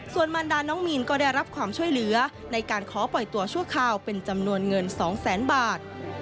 ส่วนมารดาน้องมีนก็ได้รับความช่วยเหลือในการขอปล่อยตัวชั่วคราวเป็นจำนวนเงิน๒แสนบาท